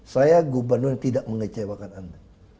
saya gubernur yang tidak mengecewakan anda